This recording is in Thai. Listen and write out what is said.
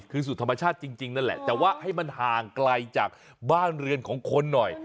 คือสู่ธรรมชาติจริงนั่นแหละแต่ว่าให้มันห่างไกลจากบ้านเรือนของคนหน่อย